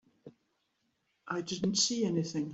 I didn't see anything.